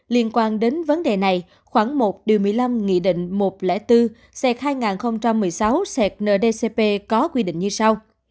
liên quan đến vấn đề này khoảng một một mươi năm một trăm linh bốn hai nghìn một mươi sáu ndcp có quy định như sau